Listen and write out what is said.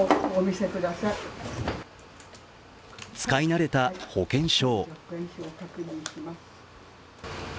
使い慣れた保険証。